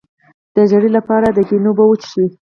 د ژیړي لپاره د ګنیو اوبه وڅښئ